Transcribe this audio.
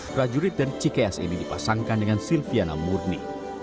prajurit dan cikeas ini dipasangkan dengan silviana murni